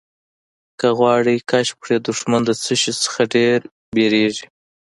که غواړې کشف کړې دښمن د څه شي څخه ډېر وېرېږي.